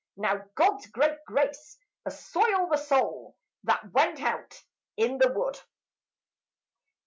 Now God's great grace assoil the soul That went out in the wood!